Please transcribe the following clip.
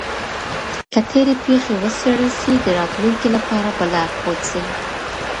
که تېري پېښې وڅېړل سي د راتلونکي لپاره به لارښود سي.